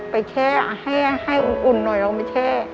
แช่ให้อุ่นหน่อยเราไม่แช่